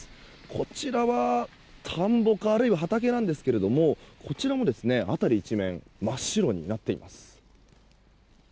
こちらは田んぼかあるいは畑なんですけれどもこちらも辺り一面真っ白になっています。